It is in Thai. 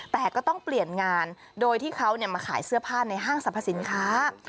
แต่ก็ต้องเปลี่ยนงานโดยที่เขามาขายเสื้อผ้าในห้างสรรพสินค้า